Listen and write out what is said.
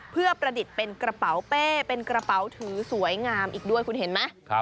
เพื่อประดิษฐ์เป็นกระเป๋าเป้เป็นกระเป๋าถือสวยงามอีกด้วยคุณเห็นไหม